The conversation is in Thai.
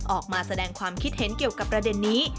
ออกมาแสดงความคิดเห็นเกี่ยวกับประเด็นนี้